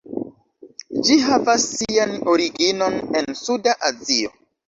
Ĝi havas sian originon en Suda Azio.